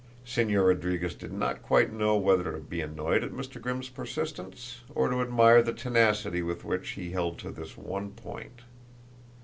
Señor Rodriguez did not quite know whether to be annoyed at Mr. Grimm's persistence, or to admire the tenacity with which he held to this one point.